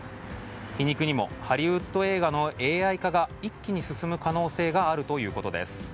皮肉にもハリウッド映画のＡＩ化が一気に進む可能性があるということです。